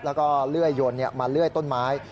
แล้วก็เลื่อยยนต์มาเลื่อยต้นไม้